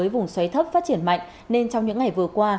vùng xoáy thấp phát triển mạnh nên trong những ngày vừa qua